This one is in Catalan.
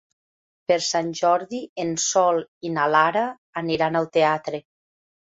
Per Sant Jordi en Sol i na Lara aniran al teatre.